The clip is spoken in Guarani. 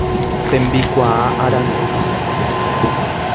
Tembikuaa arandu.